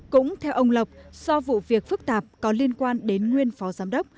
cũng theo ông lộc do vụ việc phức tạp có liên quan đến nguyên phó giám đốc